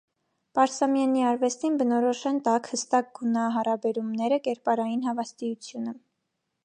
Պարսամյանի արվեստին բնորոշ են տաք, հստակ գունահարաբերումները, կերպարային հավաստիությունը։